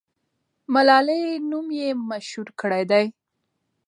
ملالۍ نوم یې مشهور کړی دی.